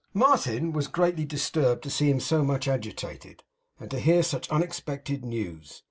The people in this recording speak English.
Martin was greatly disturbed to see him so much agitated, and to hear such unexpected news.